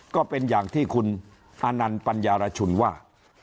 ก็เป็นอย่างที่คุณอานันต์ปัญญารชุนว่า